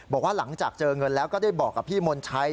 บอกว่าหลังจากเจอเงินแล้วก็ได้บอกกับพี่มนชัย